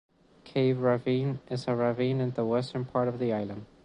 Cave Ravine is a ravine in the western part of the island.